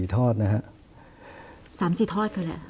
๓๔ทอดก็แหละครับ